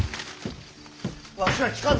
わしは聞かんぞ！